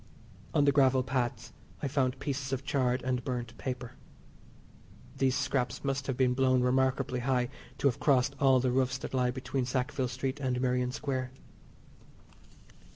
On the gravel paths I found pieces of charred and burnt paper. These scraps must have been blown remarkably high to have crossed all the roofs that lie between Sackville Street and Merrion Square.